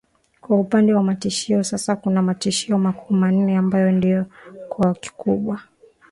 Kwa upande wa matishio sasa kuna matishio makuu manne ambayo ndio kwa kikubwa